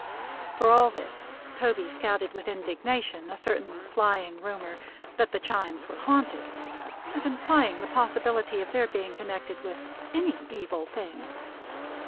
For all this Toby scouted with indignation a certain flying rumor that the Chimes were haunted, as implying the possibility of their being connected with any Evil thing.